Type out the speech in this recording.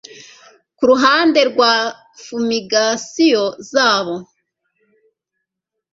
Kuruhande rwa fumigations zabo